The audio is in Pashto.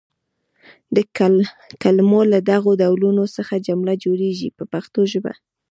د کلمو له دغو ډولونو څخه جمله جوړیږي په پښتو ژبه.